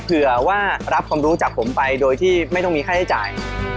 เผื่อว่ารับความรู้จากผมไปโดยที่ไม่ต้องมีค่าใช้จ่าย